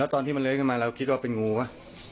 แล้วตอนที่มันเละขึ้นมาเราก็คิดว่ามันเป็นงูปะ